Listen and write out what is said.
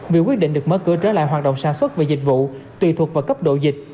việc quyết định được mở cửa trở lại hoạt động sản xuất và dịch vụ tùy thuộc vào cấp độ dịch